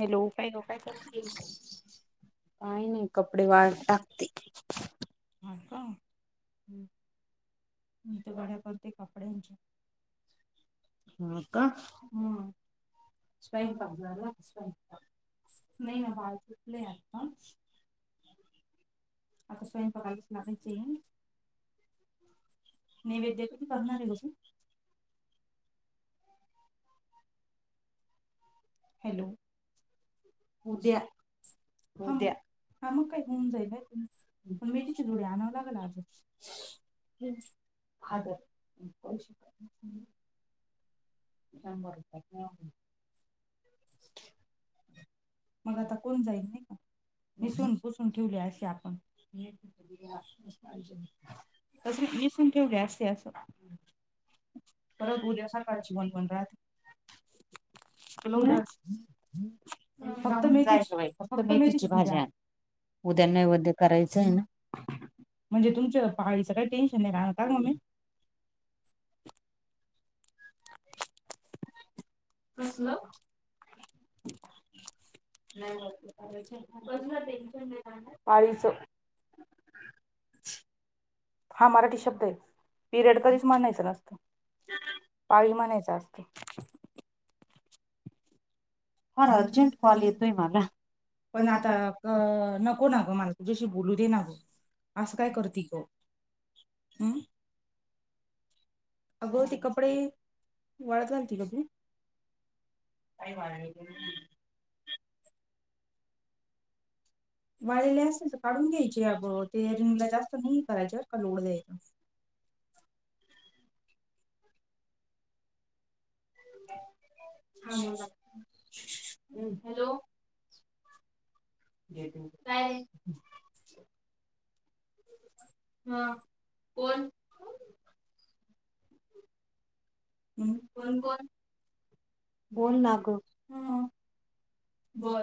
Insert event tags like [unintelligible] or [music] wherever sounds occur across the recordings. Hello काय गं काय करती. काय नाही कपडे वाळत टाकते. हा का, हूं मी त घड्या करते. कपड्यांच्यां. हं का आ! स्वयंपाक झाला स्वयंपाक, नहीं ना बाळ उठलय आता. आता स्वयंपाकाला च लागायचं. [unintelligible] हॅलो! उद्या, उद्या. [unintelligible] [unintelligible] [unintelligible] [inaudible] मग आता कोण जाईल नाही का, निसून पुसून ठेवली अशी आपण. [unintelligible] नेसून ठेवले असते असं. हम्, परत उ [inaudible] काची बन पण राहतेलो फक्त [inaudible] फक्त [inaudible] उद्या नैवेद्य करायचं आहे ना. म्हणजे तुमचं पाळीच काही टेन्शन नाही राहणार का मम्मे. कसलं. [inaudible] पाळीस हा मराठी शब्द आहे पिरियड कधीच म्हणायच नसतं पाळी म्हणायच असतो. फार अर्जेंट कॉल येतोय मला पण आता. अ नको ना ग मला तुझ्याशी बोलू दे ना गो असं काय करती ग. ''हां'' अग ती कपडे. वाळत घालते का धुऊन नाही वाळलेली होती. वालेले असेल तर काढून घ्यायचे अगं ते रिंगला जास्त नाही करायचेर का लोले. हॅलो, यायचं म्हणत्या काय हम, हा, कोण. म्हणून कोण कोण. बोल ना ग हम्म, बर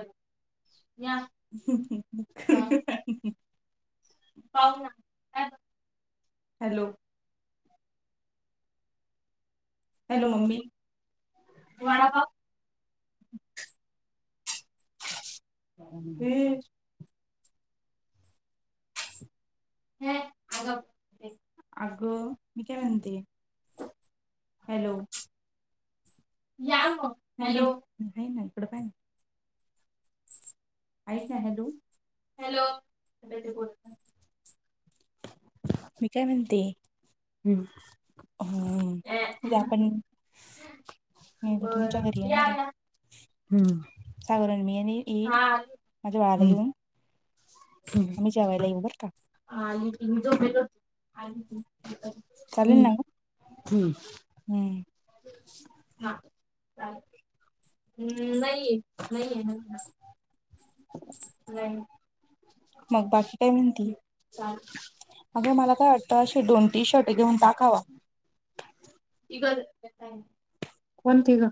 या हम हम, तुमच्यासाठी. पावना काय म्हणते. हॅलो, हॅलो, मम्मी मला का? आणि व्हेज. हे आघाव हे अगं मी काय म्हणते. हॅलो, या पण हॅलो, नाही ना इकड काय नाही. आहेस ना हॅलो हॅलो काय तर बोलत असेल. मी काय म्हणते. हम [unintelligible] जण म तर तुच्या [unintelligible] घरी आहे सागरण म आणि ईद माझ्या बाळाला घेऊन. [inaudible] आणि त ह [inaudible] हम्म हम्म हा, चालतंय. हम, नाही नाही हा हा नाही, मग काहीतरी हम्म, चालते. अगं मला काय वाटतं अशी दोन ती शर्ट घेऊन टाकावा ठीक आहे. ते काय हाय. कोणती ग.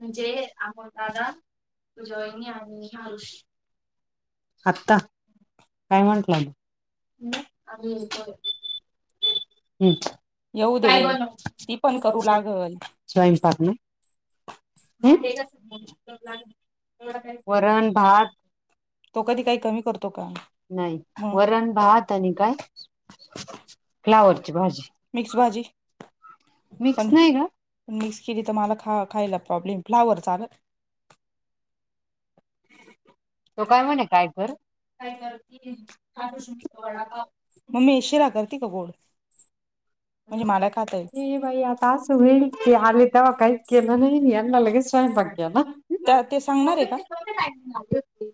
म्हणजे [inaudible] दादाजईनी आणि हरुष आत्ता. काय म्हटलं मग हम, आम्ही येतोय. काय बनवू स्वयंपाकाला? स्वयंपाक ना? भांडे [unintelligible] तो कधी काही कमी करतो का? नाही! वरण, भात आणि काय फ्लावरची भाजी. मिक्स भाजी, पण मिक्स केली तर मला खा खायला प्रॉब्लेम फ्लावर चाललं. तो काय म्हणे काय कर? मम्मे शीरा करती का गोड? म्हणजे मला खाता येईल. ते सांगणार आहे का?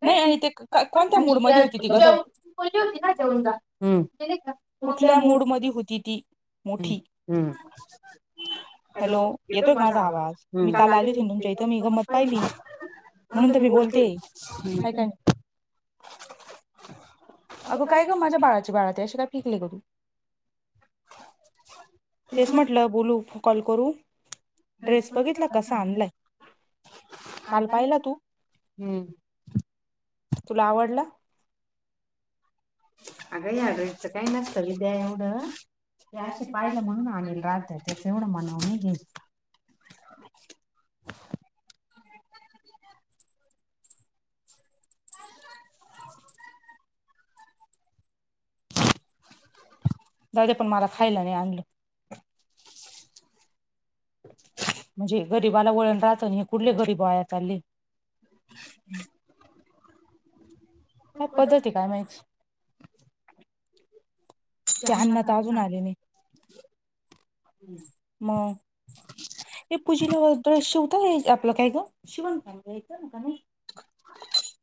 नाही आणि ते कोणत्या मूड मध्ये होती ती गदड? कुठल्या मूड मधी होती ती? हम्म हॅलो! येतो माझा आवाज? हम्म, काल आले [unintelligible] म्हणून तर मी बोलतोय. [inaudible] अगं काय गं माझ्या बाळाचे बाळुते अशे काय फेकले गं तू? तेच म्हटलं बोलू, कॉल करू. ड्रेस बघितला कसा आणलाय, काल पाहिला तू? हम्म. तुला आवडला? अगं ह्या ड्रेसच काही नसतं गं द्याय एवढं. ते असे पाहिलं म्हणून आणलं राहत ते एवढं मनावर नाही घ्यायचं. [unintelligible] [unintelligible] जाऊदे पण मला खायला नाही आणलं. [inaudible] गरीबाला वळण राहत अन् हे कुठले गरीब वाया चालले. [inaudible] काय पद्धती आहे काय माहिती? ते अण्णा तर अजून आले नाही, मगं! ते पुजीला ड्रेस शिवता येईल आपल काय गं? शिवणकाम येतं ना काय माहीत.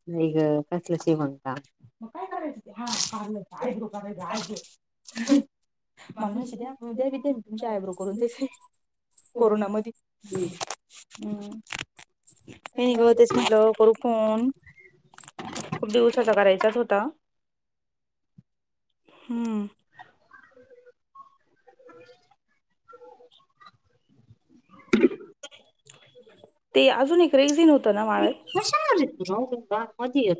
नाही गं! कसलं शिवणकाम? काय करायचं ते? हां पार्लर, आई ब्रो करायचं आई ब्रो. मला पैसे द्या तुमचे आयब्रो करून देते. कोरोना मधी हम्म ए नाही गं तेच म्हटलं करू फोन खूप दिवस आता करायचाच होता. हम्म. [inaudible] [inaudible] ते अजून एक रेझी नव्हतं ना? अरे हुशार राहूदे न बा मध्ये [unintelligible]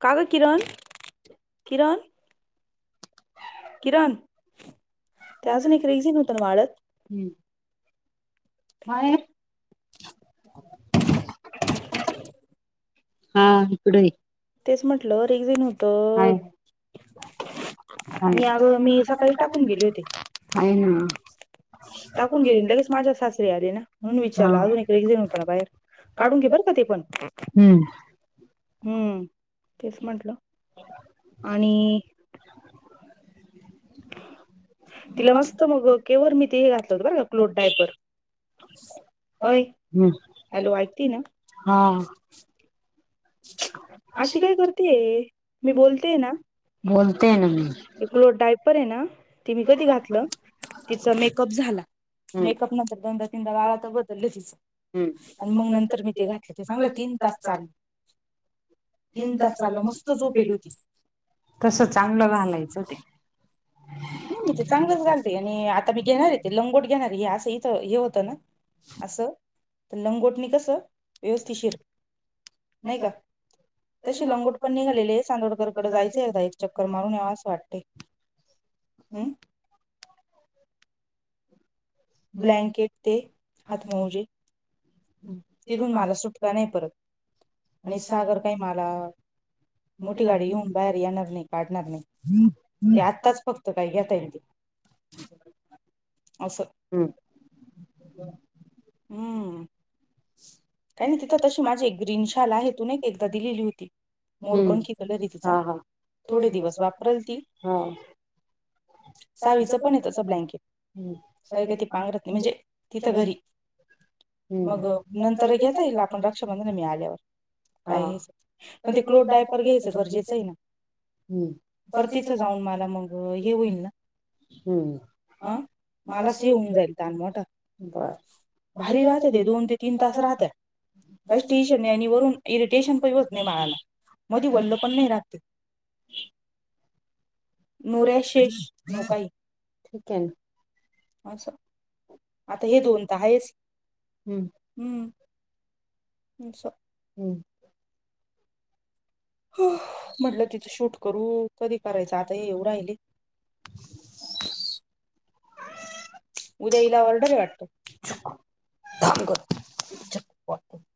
का गं किरण किरण किरण ते अजून एक रेझीन होतं ना माझ्याकडं? हम्म माया [inaudible] [inaudible] तेच म्हटलं रेल्वे आहे. [inaudible] आहे ना. टाकून गेली लगेच माझ्या सासरे आले ना, म्हणून विचारलं. अजून एक रेक्झन होत ना बाहेर काढून घे बरं का ते पण. [inaudible] हम्म तेच म्हंटलं. [inaudible] आणि तिला मस्त मग केवर मी ते हे घातलं होतं बरं का, क्लोथ डायपर. होय. [inaudible] हॅलो ऐकती ना? हां. अशी काय करतेय? मी बोलतेय ना. बोलते ना मी. ते क्लोथ डायपर आहे ना, ते मी कधी घातलं, तिचा मेकअप झाला. मेकअप मधनं दोनदा, तीनदा बाळातन बदललं तिचं. आणि मग नंतर मी ते घातले. ते चांगलं तीन तास चालं तीन तास चालंल. मस्त झोपेलं होती. [inaudible] नाही मी ते चांगलंच घाल आणि आता मी घेणार आहे ते लंगोट घेणारे. हे असं इथं हे होतं ना, असं तर लंगोटने कसं व्यवस्थिशीर. नाही का? तशी लंगोट पण निघालेले. सांदोडकरकडे जायचंय एकदा एक चक्कर मारून यावं असं वाटतंय [inaudible] हम [inaudible] ब्लँकेट ते, हात मोजे हं तिथून मला सुटका नाही परत. आणि सागर काय मला मोठी गाडी घेऊन बाहेर येणार नाही, काढणार नाही. ते आत्ताच फक्त बाई घेता येईल ते. असं हम् [inaudible] हम्म [inaudible] काय नाही, तिथं तशी माझी एक ग्रीन शाल आहे, तू नाही का एकदा दिलेली होती. मोरपंखी कलरये तिचा. थोडे दिवस वापरल ती सावीचं पण आहे तचं ब्लँकेट. सावी काय ते पांगरत नाय, म्हणजे तिथं घरी. हम्म मग तरी येता येईल आपण रक्षाबंधन मी आल्यावर. काय घ्यायचं. मग ते क्लोथ डायपर घ्यायचं गरजेचं आहे ना. [inaudible] परत तिथं जाऊन मला मग हे होईल ना. [inaudible] अं मला सहन होऊन जाईल तान मोठा भारी वाट दोन ते तीन तास राहत्या. काहीच टेन्शन नाही. आणि वरून ए स्टेशन पण होत नाही बाळाला. मधी ओल पण नाही राहत ते. [unintelligible] ठीक आहे ना. [inaudible] असं. आता हे दोन [unintelligible] [inaudible] हम्म म्हटलं तिथं शूट करू. कधी करायचं? आता हे येऊ राहिले. [unintelligible]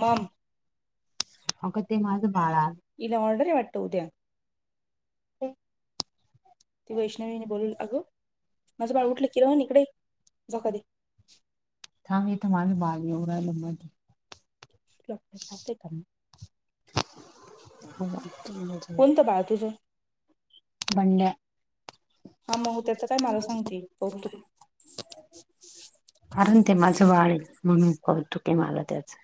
मम अगं ते माझं बाळ आ इला ऑर्डर आय वाटत उद्या. ती वैष्णवीने बोलवल अगं माझं बाळ उठलं कि रोहण इकडे ये झोका दे. थांब इथ माझं बाळ येऊन राहील ते का म [inaudible] कोणतं बाळ तुझं? बंड्या. कारण ते माझ बाळ ये म्हणून कौतुक ये मला त्याच.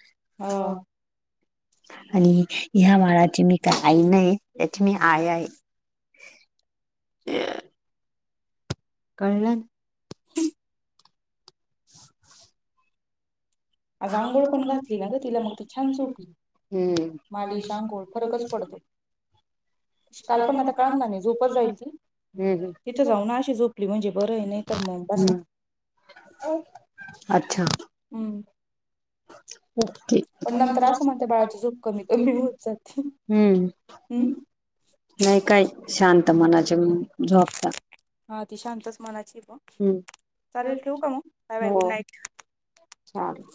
आणि ह्या बाळाची मी काय आई नाही त्याची मी आया आहे. [inaudible] कळलन. आज आंघोळ पण घातली ना ग तिला मग ती छान झोपली. मालिश, आंघोळ फरकच पडतो. काल पण आता कळांग ना नाही झोपच जयालती तिथे जाऊ ना अशी झोप पली म्हणजे म बरं ये नाही तर म बसा, हम. ओके, हम्म. ह नाही काय शांत मनाचे झोपता. हा ती शांतच मनाची ब, चालेल ठेवु का मग? Bye bye good night. चालेल.